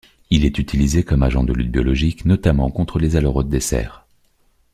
Il est utilisé comme agent de lutte biologique, notamment contre les aleurodes des serres.